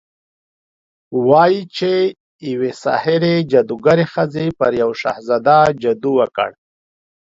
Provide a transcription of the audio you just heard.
وايي چې يوې ساحرې، جادوګرې ښځې پر يو شهزاده جادو وکړ